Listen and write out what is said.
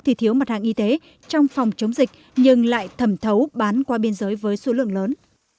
thì thiếu mặt hàng y tế trong phòng chống dịch nhưng lại thẩm thấu bán qua biên giới với số lượng lớn